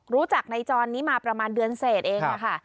รู้จักในจรนี้มาประมาณเดือนเศษเองค่ะ